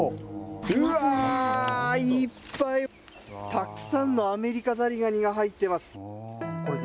うわ、いっぱいたくさんのアメリカザリガニが入っています。